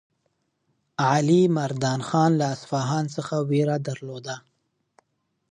علیمردان خان له اصفهان څخه وېره درلوده.